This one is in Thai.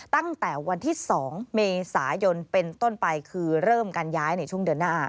ตั้งแต่วันที่๒เมษายนเป็นต้นไปคือเริ่มการย้ายในช่วงเดือนหน้า